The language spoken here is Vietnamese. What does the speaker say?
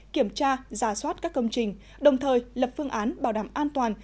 kiểm tra giả soát các công trình đồng thời lập phương án bảo đảm an toàn